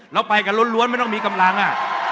เราไปกันล้วนไม่ต้องมีกำลัง